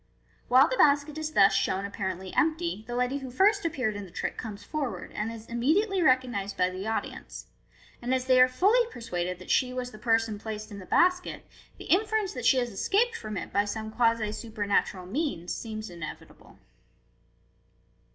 While the basket is thus shown apparently empty, the lady who first appeared in the trick comes forward, and is immediately recognized by the audi ence j and as they are fully persuaded that she was the person placed in the basket, the inference that she has escaped from it by some quasi supernatural means seems inevitable.